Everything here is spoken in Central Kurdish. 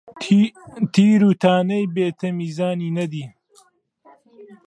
تیر و تانەی بێ تەمیزانی نەدی،